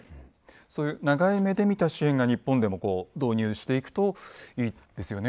そういう長い目で見た支援が日本でも導入していくといいですよね